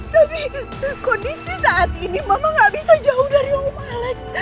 tapi kondisi saat ini mama gak bisa jauh dari om alex